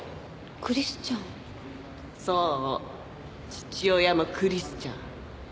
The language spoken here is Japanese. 父親もクリスチャン。